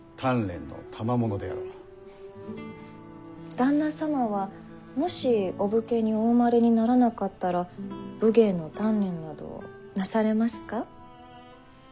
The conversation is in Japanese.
旦那様はもしお武家にお生まれにならなかったら武芸の鍛錬などなされますか？